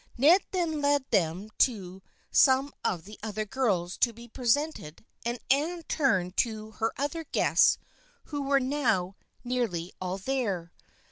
Ned then led them to some of the other girls to be presented and Anne turned to her other guests, who were now nearly all there.